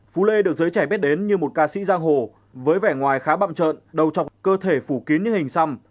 phú lê được giới trẻ biết đến như một ca sĩ giang hồ với vẻ ngoài khá bậm trợn đầu chọc cơ thể phủ kín như hình xăm